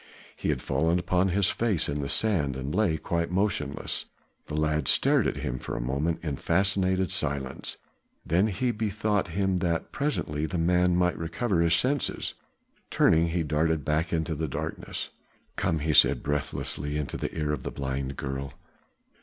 He had fallen upon his face in the sand and lay quite motionless. The lad stared at him for a moment in fascinated silence, then he bethought him that presently the man might recover his senses. Turning, he darted back into the darkness. "Come!" he said breathlessly in the ear of the blind girl.